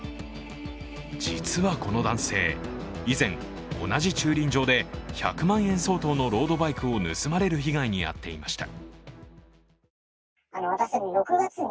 実はこの男性、以前、同じ駐輪場で１００万円相当のロードバイクを盗まれる被害に遭っていました。